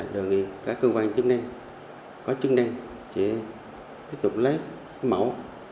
đồng nghiệp các cơ quan chứng đen có chứng đen thì tiếp tục lấy mẫu